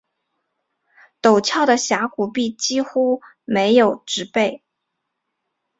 陡峭的峡谷壁几乎没有植被。